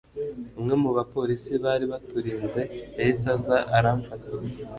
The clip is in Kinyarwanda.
umwe muba police bari baturinze yahise aza aramfata